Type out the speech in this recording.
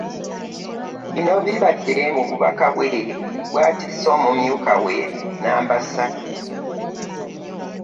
Bino bibadde mu bubaka bwe bw'atisse omumyuka we nnamba ssatu